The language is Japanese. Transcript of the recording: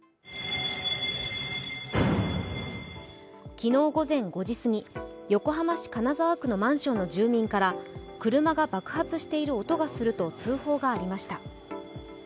昨日午前５時過ぎ、横浜市金沢区のマンションの住民から車が爆発している音がすると通報がありました。